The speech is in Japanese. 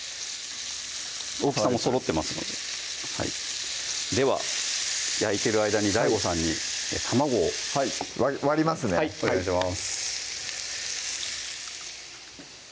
大きさもそろってますのででは焼いてる間にＤＡＩＧＯさんに卵を割りますねはいお願いします